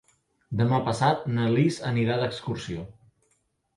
Demà passat na Lis anirà d'excursió.